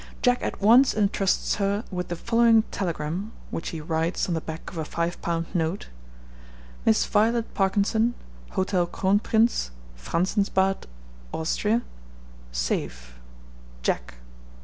Jack at once entrusts her with the following telegram which he writes on the back of a five pound note: Miss Violet Parkinson, Hotel Kronprinz, Franzensbad, Austria. Safe. JACK.